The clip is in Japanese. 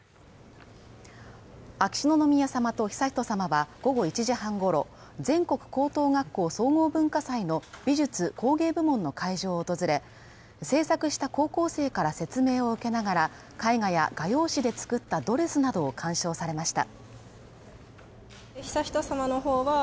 秋篠宮さまと悠仁さまは午後１時半ごろ、全国高等学校総合文化祭の美術・工芸部門の会場を訪れ制作した高校生から説明を受けながら絵画や画用紙で作ったドレスなどを鑑賞されました。